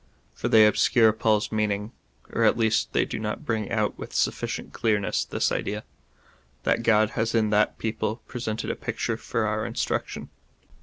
For they obscure Paul's meaning, or at least they do not bring out with sufficient clearness this idea — that God has in that people presented a picture for our instruction.